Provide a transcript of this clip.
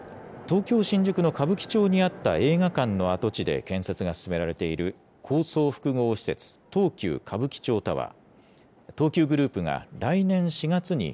東京・新宿の歌舞伎町にあった映画館の跡地で建設が進められている高層複合施設、東急歌舞伎町タワー。